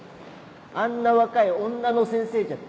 あんな若い女の先生じゃ駄目だって。